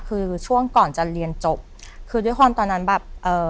คือช่วงก่อนจะเรียนจบคือด้วยความตอนนั้นแบบเอ่อ